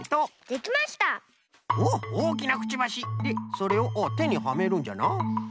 でそれをてにはめるんじゃな。